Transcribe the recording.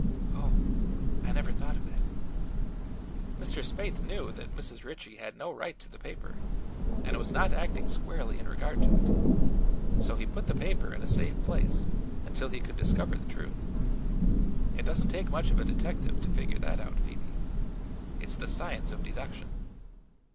"Oh; I never thought of that." "Mr. Spaythe knew that Mrs. Ritchie had no right to the paper, and was not acting squarely in regard to it. So he put the paper in a safe place until he could discover the truth. It doesn't take much of a detective to figure that out, Phoebe. It's the science of deduction.